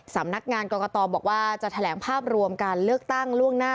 สำนักงานกรกตบอกว่าจะแถลงภาพรวมการเลือกตั้งล่วงหน้า